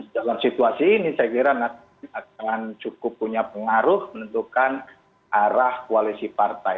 dalam situasi ini saya kira nasdem akan cukup punya pengaruh menentukan arah koalisi partai